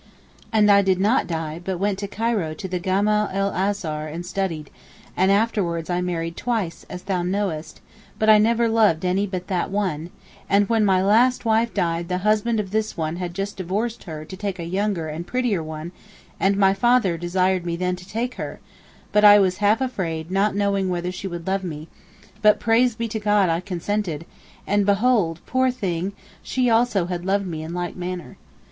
And I did not die but went to Cairo to the Gama el Azhar and studied, and afterwards I married twice, as thou knowest, but I never loved any but that one, and when my last wife died the husband of this one had just divorced her to take a younger and prettier one and my father desired me then to take her, but I was half afraid not knowing whether she would love me; but, Praise be to God I consented, and behold, poor thing, she also had loved me in like manner.